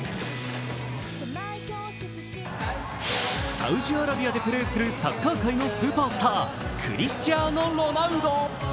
サウジアラビアでプレーするサッカー界のスーパースタークリスチアーノ・ロナウド。